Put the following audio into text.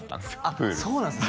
プールがあっそうなんですね